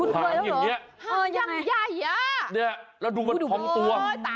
แล้วยังใหญ่อะแล้วดูมันทองตัว